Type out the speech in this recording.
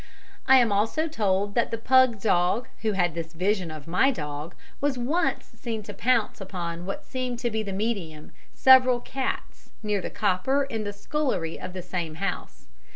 I am also told that the pug dog who had this vision of my dog was once seen to pounce upon what seemed to the medium to be several cats, near the copper in the scullery of the same house.